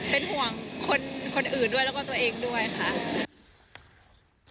เป็นห่วงคนอื่นด้วยแล้วก็ตัวเองด้วยค่ะ